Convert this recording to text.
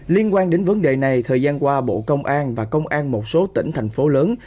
liên quan đến vấn đề này thời gian qua bộ công an và công an một số tỉnh thành phố lớn